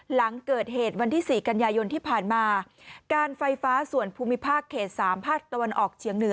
หลังเกิดเหตุวันที่๔กันยายนที่ผ่านมาการไฟฟ้าส่วนภูมิภาคเขต๓ภาคตะวันออกเฉียงเหนือ